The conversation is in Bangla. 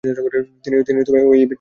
তিনি এই ব্যক্তিই ছিলেন।